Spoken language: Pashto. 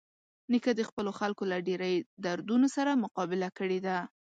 نیکه د خپلو خلکو له ډېرۍ دردونو سره مقابله کړې ده.